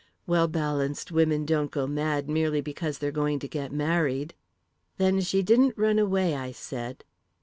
"Well balanced women don't go mad merely because they're going to get married." "Then she didn't run away," I said.